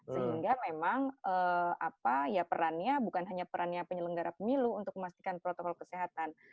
sehingga memang perannya bukan hanya perannya penyelenggara pemilu untuk memastikan protokol kesehatan